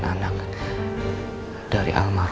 dia yang terserah